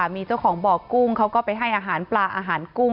มีเจ้าของบ่อกุ้งเขาก็ไปให้อาหารปลาอาหารกุ้ง